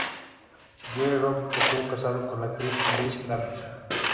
Joe Rock estuvo casado con la actriz Louise Granville.